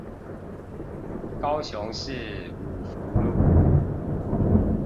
高雄市五福路